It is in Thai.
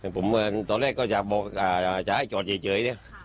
ผมตอนแรกก็จะให้จอดเจ๋ยเนี่ย